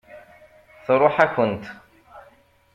Tṛuḥ-akent.